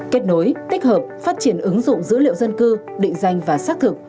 kết nối tích hợp phát triển ứng dụng dữ liệu dân cư định danh và xác thực